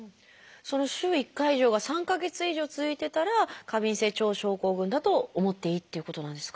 その週１回以上が３か月以上続いてたら過敏性腸症候群だと思っていいっていうことなんですか？